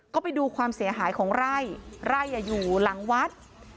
ก็ไปดูความเสียหายของไร่ไร่อยู่หลังวัด